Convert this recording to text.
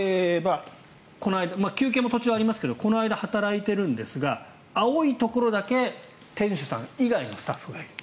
休憩も途中ありますがこの間、働いているんですが青いところだけ店主さん以外のスタッフがいる。